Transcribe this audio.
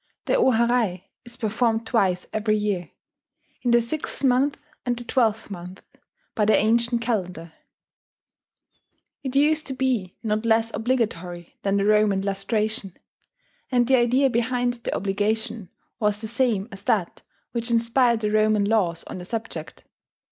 The o harai is performed twice every year, in the sixth month and the twelfth month by the ancient calendar. It used to be not less obligatory than the Roman lustration; and the idea behind the obligation was the same as that which inspired the Roman laws on the subject